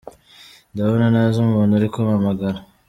Ndabona ntazi umuntu uri kumpamagara.